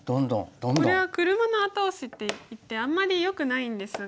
これは「車の後押し」っていってあんまりよくないんですが。